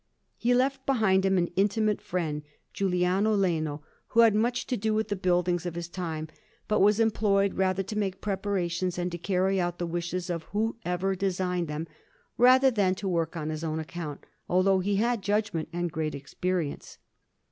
He left behind him an intimate friend, Giuliano Leno, who had much to do with the buildings of his time, but was employed rather to make preparations and to carry out the wishes of whoever designed them, than to work on his own account, although he had judgment and great experience.